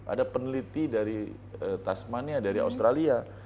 ada peneliti dari tasmania dari australia